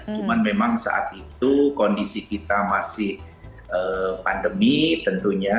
cuma memang saat itu kondisi kita masih pandemi tentunya